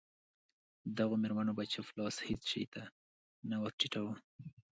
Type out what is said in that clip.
دغو مېرمنو به چپ لاس هېڅ شي ته نه ور ټیټاوه.